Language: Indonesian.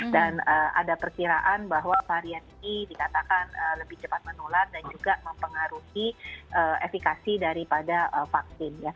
dan ada perkiraan bahwa varian ini dikatakan lebih cepat menular dan juga mempengaruhi efekasi daripada vaksin